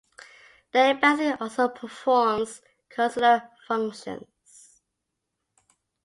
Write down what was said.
The embassy also performs consular functions.